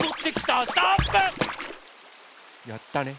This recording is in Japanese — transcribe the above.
やったね。